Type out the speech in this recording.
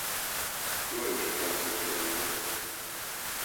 Lajos francia király előtt.